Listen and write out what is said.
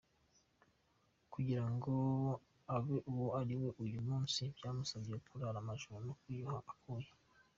Kugira ngo abe uwo ari we uyu munsi, byamusabye kurara amajoro no kwiyuha akuya.